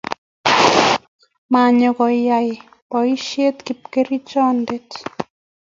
manyo koyae boisiet kipkerichonde.